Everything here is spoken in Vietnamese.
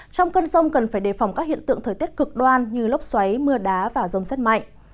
trong cơn rông cần phải đề phòng các hiện tượng thời tiết cực đoan như lốc xoáy mưa đá và rông rất mạnh